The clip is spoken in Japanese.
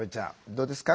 どうですか？